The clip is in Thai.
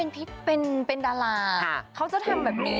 เป็นดาราเขาจะทำแบบนี้